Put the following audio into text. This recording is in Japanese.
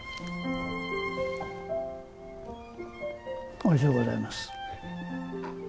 おいしゅうございます。